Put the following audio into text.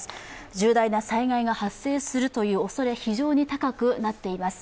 重大な災害が発生するというおそれ、非常に高くなっています。